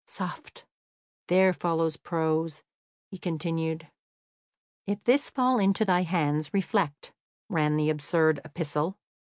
"Soft! There follows prose," he continued. "If this fall into thy hands, reflect," ran the absurd epistle.